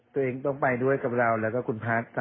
ตัวเองต้องไปด้วยกับเราแล้วก็คุณพัฒน์